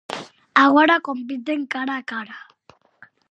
Agora, compiten cara a cara.